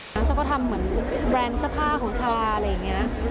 เขาก็ทำเหมือนแบรนด์เสื้อผ้าของชาอะไรอย่างเงี้ย